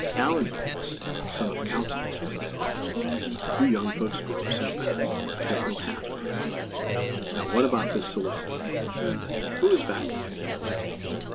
Allan Banks; son of Councilman Banks! You young folks grow up so fast I don't know half of you. Now what about this soliciting. Who is back of you?"